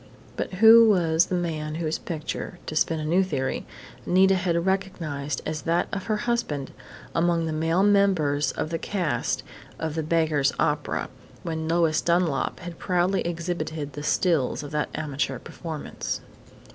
But who was the man whose picture to spin a new theory Nita had recognized as that of her husband among the male members of the cast of "The Beggar's Opera," when Lois Dunlap had proudly exhibited the "stills" of that amateur performance?